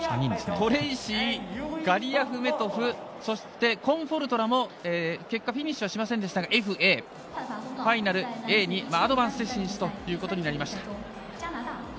トレイシー、ガリアフメトフコンフォルトラも結果フィニッシュはしませんでしたがＦＡファイナルＡにアドバンスで進出ということになりました。